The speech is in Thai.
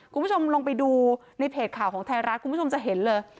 คุณผู้ชมลงไปดูในเพจข่าวของไทยรัฐคุณผู้ชมจะเห็นเลย